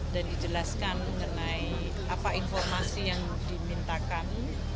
dan dijelaskan mengenai apa informasi yang dimintakan